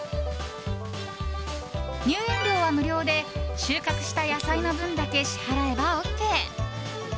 入園料は無料で収穫した野菜の分だけ支払えばＯＫ。